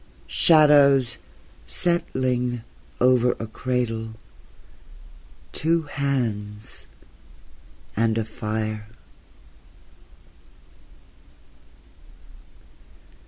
Shadows settling over a cradle... two hands and a fire.)